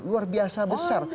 luar biasa besar